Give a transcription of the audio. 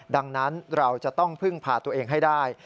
ดังนั้นเราจะต้องพึ่งพาตัวเองให้ได้